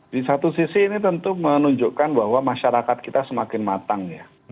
di satu sisi ini tentu menunjukkan bahwa masyarakat kita semakin matang ya